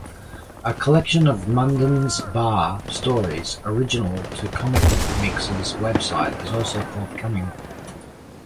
A collection of "Munden's Bar" stories original to Comicmix's website is also forthcoming.